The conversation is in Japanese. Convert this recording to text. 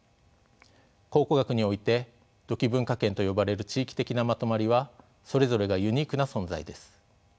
考古学において土器文化圏と呼ばれる地域的なまとまりはそれぞれがユニークな存在です。